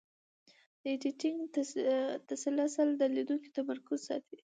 د ایډیټینګ تسلسل د لیدونکي تمرکز ساتي.